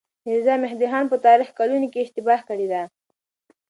ميرزا مهدي خان په تاريخي کلونو کې اشتباه کړې ده.